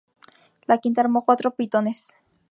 La Quinta armó cuatro pitones.